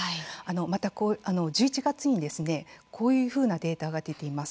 また１１月にこういうふうなデータが出ています。